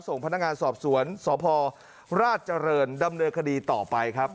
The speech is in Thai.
ส่งพนักงานสอบสวนสพราชเจริญดำเนินคดีต่อไปครับ